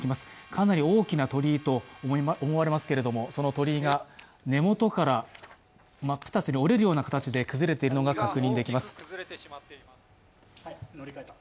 かなり大きな鳥居と思われますけれども、その鳥居が根元から真っ二つに折れるような形で崩れているのが確認できます。